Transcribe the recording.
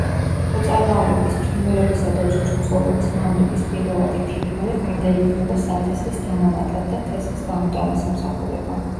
ქვეწარმავლების, ფრინველებისა და ძუძუმწოვრების მამლების პირველადი თირკმელი გარდაიქმნება სათესლის დანამატად და თესლის გამოტანას ემსახურება.